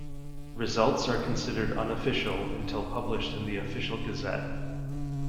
Results are considered unofficial until published in the Official Gazette.